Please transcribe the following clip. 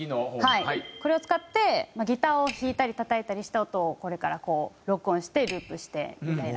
これを使ってギターを弾いたりたたいたりした音をこれからこう録音してループしてみたいな。